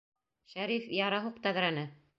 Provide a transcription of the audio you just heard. Шәриф, яра һуҡ тәҙрәне!